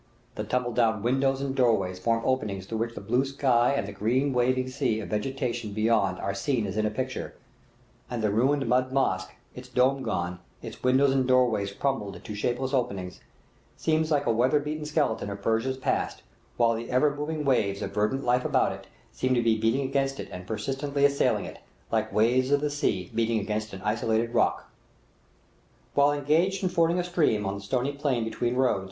The tumble down windows and doorways form openings through which the blue sky and the green waving sea of vegetation beyond are seen as in a picture, and the ruined mud mosque, its dome gone, its windows and doorways crumbled to shapeless openings, seems like a weather beaten skeleton of Persia's past, while the ever moving waves of verdant life about it, seem to be beating against it and persistently assailing it, like waves of the sea beating against an isolated rock. While engaged in fording a stream on the stony plain between road.